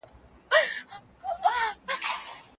دا دروند شی دئ.